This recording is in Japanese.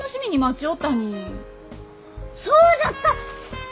そうじゃった！